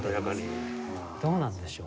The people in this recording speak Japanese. どうなんでしょう？